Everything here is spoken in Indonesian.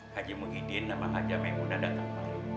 haji mugidin sama haja menguna datang kembali